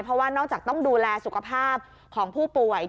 เพราะว่านอกจากต้องดูแลสุขภาพของผู้ป่วย